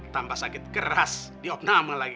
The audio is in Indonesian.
tanpa sakit keras diopname lagi